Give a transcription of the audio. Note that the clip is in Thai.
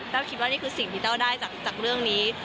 คิดว่านี่คือสิ่งที่แต้วได้จากเรื่องนี้